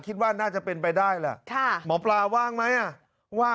คิดว่าน่าจะเป็นไปได้แหละหมอปลาว่างไหม